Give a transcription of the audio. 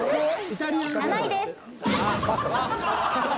７位です。